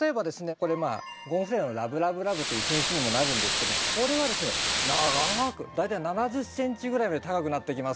これゴンフレナのラブラブラブという品種にもなるんですけどもこれはですね長く大体７０ｃｍぐらいまで高くなってきますから。